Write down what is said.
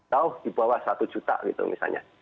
jauh di bawah satu juta gitu misalnya